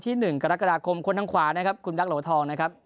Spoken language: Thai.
กรกราศกราคมคนทางขวานะครับคุณวิรักษณ์หลวนทองนะครับ